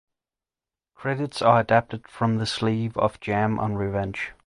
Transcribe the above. Credits are adapted from the sleeve of "Jam on Revenge".